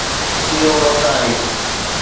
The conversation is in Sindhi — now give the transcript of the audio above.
اهو وقت آهي